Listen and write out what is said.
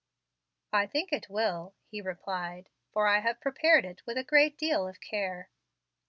"I think it will," he replied; "for I have prepared it with a great deal of care."